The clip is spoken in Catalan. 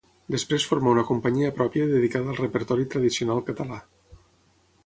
Després formà una companyia pròpia dedicada al repertori tradicional català.